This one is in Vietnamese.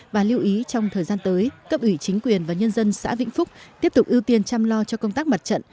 và lưu ý trong thời gian tới cấp ủy chính quyền và nhân dân xã vĩnh phúc tiếp tục ưu tiên chăm lo cho công tác mặt trận